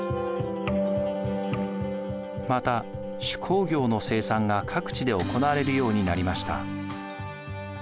また手工業の生産が各地で行われるようになりました。